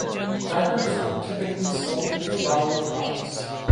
Crackers are typically salted flour products.